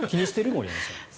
森山さん。